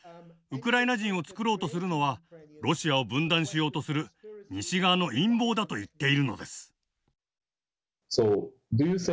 ウクライナ人を作ろうとするのはロシアを分断しようとする西側の陰謀だと言っているのです。